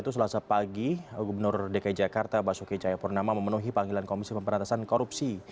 selasa pagi gubernur dki jakarta basuki cahayapurnama memenuhi panggilan komisi pemberantasan korupsi